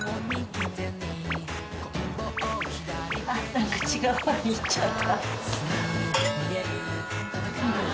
何か違う方に行っちゃった。